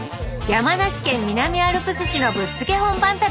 山梨県南アルプス市のぶっつけ本番旅。